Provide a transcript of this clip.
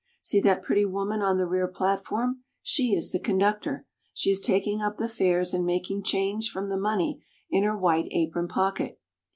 See that pretty woman on the rear platform. She is the conductor. She is taking up the fares and making change from the money in her white apron pocket.